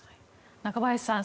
中林さん